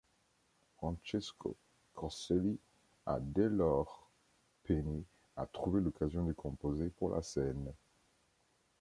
Francesco Corselli a dès lors peiné à trouver l'occasion de composer pour la scène.